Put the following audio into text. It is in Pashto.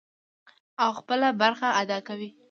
او خپله برخه ادا کوي.